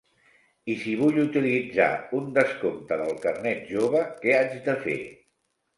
I si vull utilitzar un descompte del carnet jove, que haig de fer?